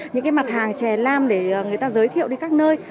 những cái mặt hàng chè lam để người ta giới thiệu đi các nơi